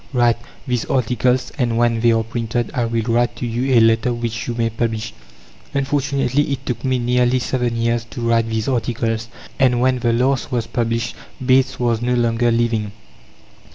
Write these articles, and when they are printed, I will write to you a letter which you may publish." Unfortunately, it took me nearly seven years to write these articles, and when the last was published, Bates was no longer living.